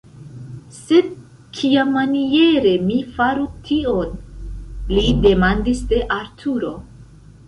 "Sed kiamaniere mi faru tion?!" Li demandis de Arturo!